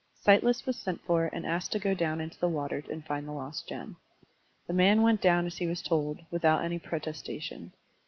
Sightless was sent for and asked to go down into the water and find the lost gem. The man went down as he was told, without any pro testation.